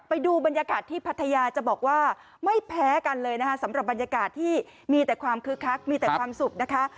ไปดูบรรยากาศที่พัทยาจะบอกว่าไม่แพ้กันเลยนะคะสำหรับบรรยากาศที่มีแต่ความคึกคักมีแต่ความสุขนะคะ